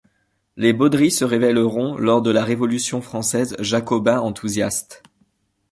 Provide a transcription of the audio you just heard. Les Baudry se révèleront, lors de la Révolution française, jacobins enthousiaste.